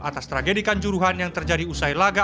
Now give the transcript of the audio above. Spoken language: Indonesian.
atas tragedikan juruhan yang terjadi usai laga